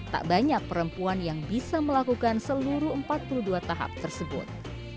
tak banyak perempuan yang bisa melakukan seluruh empat puluh dua tahap tersebut